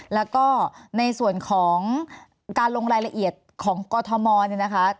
แล้วก็ในส่วนของการลงรายละเอียดของกรทมเนี่ยนะคะ